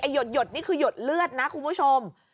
หยดนี่คือหยดเลือดนะคุณผู้ชม